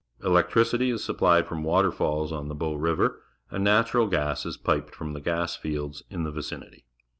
Electricity is supplied from waterfalls on the Bow River, and natural gas is piped from the gas fields in the vicinity.